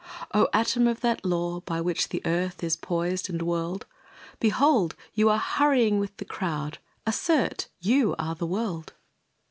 "O atom of that law, by which the earth Is poised and whirled; Behold! you hurrying with the crowd assert You are the world."